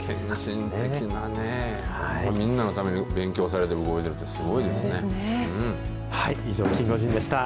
献身的なね、みんなのために勉強されて動いてるってすごいで以上、キンゴジンでした。